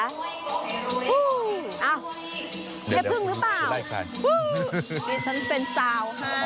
อ้าวเดี๋ยวพึ่งหรือเปล่า